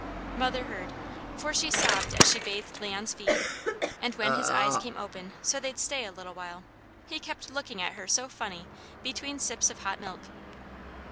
Mother heard, for she sobbed as she bathed Leon's feet, and when his eyes came open so they'd stay a little while, he kept looking at her so funny, between sips of hot milk.